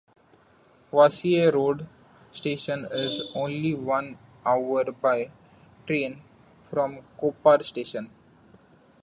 Vasai Road station is only one hour by train from Kopar station.